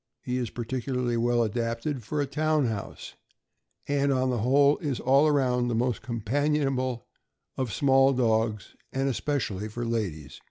He is particularly well adapted for a town house, and, on the whole, is all around the most companionable of small dogs, and especially for ladies.